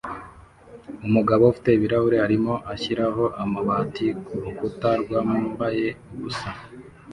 Umugabo ufite ibirahuri arimo ashyiraho amabati kurukuta rwambaye ubusa